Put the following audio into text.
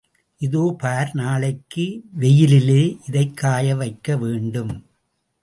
இதோ பார் நாளைக்கு வெயிலிலே இதைக் காயவைக்க வேண்டும்.